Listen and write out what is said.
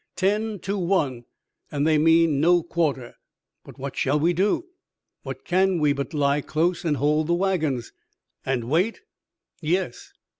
Ten to one, and they mean no quarter." "But what shall we do?" "What can we but lie close and hold the wagons?" "And wait?" "Yes."